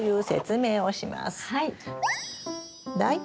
はい。